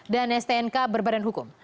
dan stnk berbadan hukum